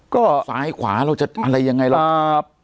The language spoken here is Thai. ก็ซ้ายขวาเราจะอะไรยังไงล่ะ